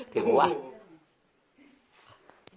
ถึงกลัว